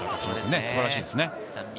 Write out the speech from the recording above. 素晴らしいですね。